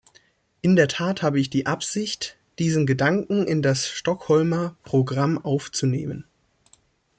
In der Tat habe ich die Absicht, diesen Gedanken in das Stockholmer Programm aufzunehmen.